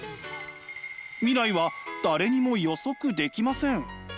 未来は誰にも予測できません。